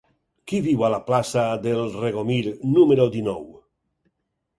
Qui viu a la plaça del Regomir número dinou?